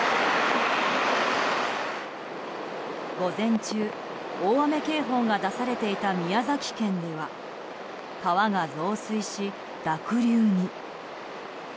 午前中、大雨警報が出されていた宮崎県では川が増水し、濁流に。